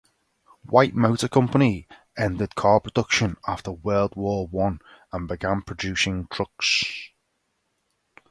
White Motor Company ended car production after World War One and began producing trucks.